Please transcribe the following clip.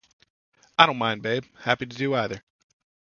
I don't mind, babe. Happy to do either.